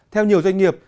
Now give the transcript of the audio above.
theo nhiều doanh nghiệp